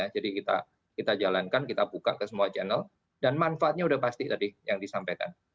jadi kita jalankan kita buka ke semua channel dan manfaatnya udah pasti tadi yang disampaikan